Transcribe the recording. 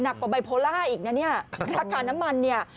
กว่าไบโพล่าอีกนะเนี่ยราคาน้ำมันเนี่ย